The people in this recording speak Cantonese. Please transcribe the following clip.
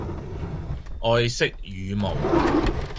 愛惜羽毛